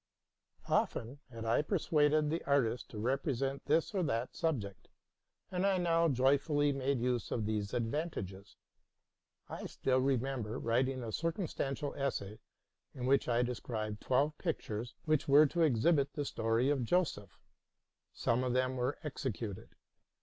Often had I persuaded the artists to represent this or that subject, and I now joyfully made use of these advantages. I still remember writing a circumstantial essay, in which I described twelve pictures which were to exhibit the history of Joseph: some of them were executed.